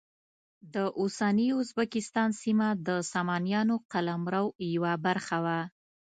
د اوسني ازبکستان سیمه د سامانیانو قلمرو یوه برخه وه.